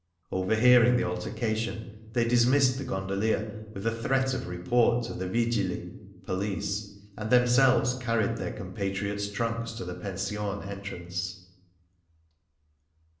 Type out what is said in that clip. Overhearing the altercation, they dismissed the gondolier with a threat of report to the vig'ili (police), and themselves carried their compatriots'* trunks to the pension entrance.